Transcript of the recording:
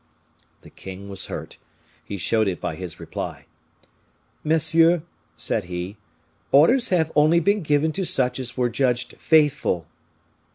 The king was hurt: he showed it by his reply. "Monsieur," said he, "orders have only been given to such as were judged faithful."